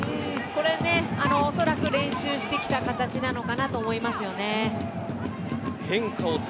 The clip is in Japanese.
これは、おそらく練習してきた形なのかと思いますよね。